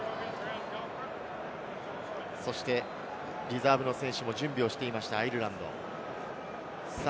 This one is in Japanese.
そして、リザーブの選手も準備していました、アイルランド。